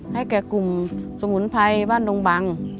ให้แก่กลุ่มสมุนไพรบ้านดงบัง